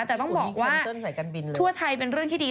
แต่ต้องบอกว่าทั่วไทยเป็นเรื่องที่ดี